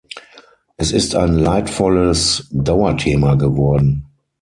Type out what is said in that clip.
Es ist ein leidvolles Dauerthema geworden.